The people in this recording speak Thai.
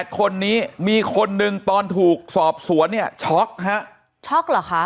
คนนี้มีคนหนึ่งตอนถูกสอบสวนเนี่ยช็อกฮะช็อกเหรอคะ